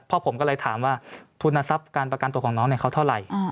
เพราะผมก็เลยถามว่าทุนทรัพย์การประกันตัวของน้องเขาเท่าไหร่